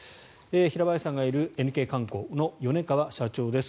平林さんがいるＮＫ観光の米川社長です。